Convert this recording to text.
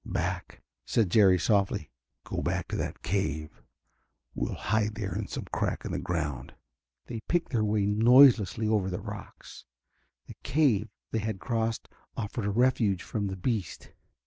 "Back," said Jerry softly. "Go back to that cave. We will hide there in some crack in the ground." They picked their way noiselessly over the rocks. The cave they had crossed offered a refuge from the beast.